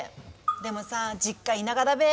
でもさ実家田舎だべ。